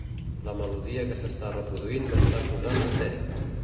La melodia que s'està reproduint m'està posant histèrica.